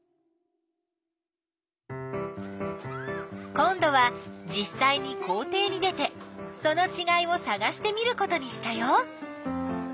今どはじっさいに校ていに出てそのちがいをさがしてみることにしたよ。